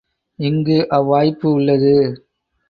இங்கு அவ்வாய்ப்பு உள்ளது.